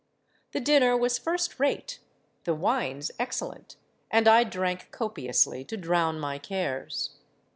The dinner was first rate—the wines excellent; and I drank copiously to drown my cares.